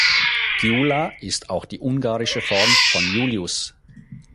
Gyula ist auch die ungarische Form von Julius.